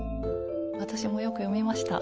私もよく読みました。